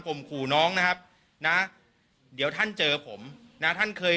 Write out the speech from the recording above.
ผมขู่น้องนะครับนะเดี๋ยวท่านเจอผมนะท่านเคย